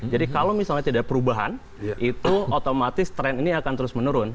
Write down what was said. jadi kalau misalnya tidak perubahan itu otomatis tren ini akan terus menurun